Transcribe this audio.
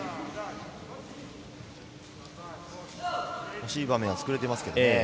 惜しい場面はつくれていますけどね。